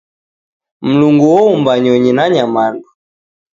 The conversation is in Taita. Mlungu oumba nyonyi na nyamandu.